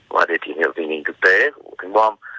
và để tìm hiểu tình hình thực tế của tình bom